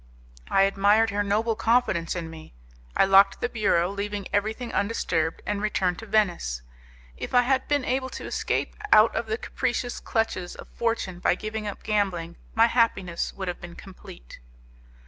I admired her noble confidence in me. I locked the bureau, leaving everything undisturbed, and returned to Venice. If I had been able to escape out of the capricious clutches of fortune by giving up gambling, my happiness would have been complete.